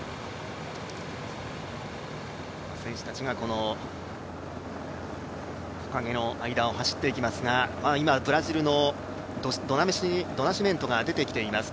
選手たちがこの木陰の間を走って行きますが今、ブラジルのドナシメントが出てきています。